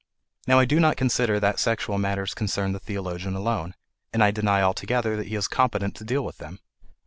Now I do not consider that sexual matters concern the theologian alone, and I deny altogether that he is competent to deal with them.